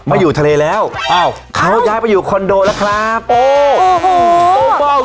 อยู่ทะเลแล้วอ้าวเขาย้ายไปอยู่คอนโดแล้วครับโอ้โหปกป้อง